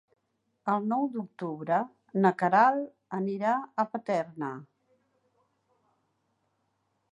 El nou d'octubre na Queralt anirà a Paterna.